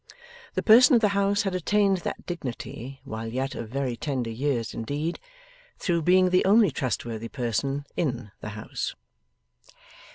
The person of the house had attained that dignity while yet of very tender years indeed, through being the only trustworthy person IN the house.